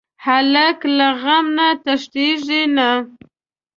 هلک له غم نه تښتېږي نه.